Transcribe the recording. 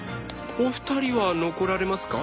お二人は残られますか？